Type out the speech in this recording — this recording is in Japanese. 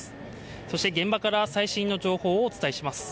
そして現場から最新の情報をお伝えします。